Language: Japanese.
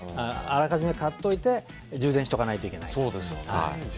あらかじめ買っておいて充電しておかないといけない。